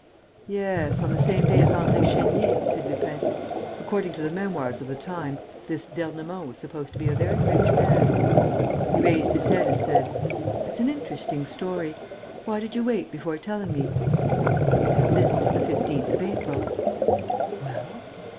"Yes, on the same day as André Chénier," said Lupin. "According to the memoirs of the time, this d'Ernemont was supposed to be a very rich man." He raised his head and said, "It's an interesting story.... Why did you wait before telling me?" "Because this is the 15th of April." "Well?"